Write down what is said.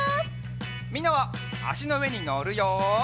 みんなはあしのうえにのるよ。